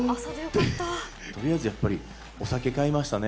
とりあえずやっぱり、お酒買いましたね。